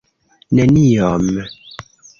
neniom